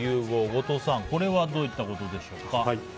後藤さんこれはどういうことでしょうか。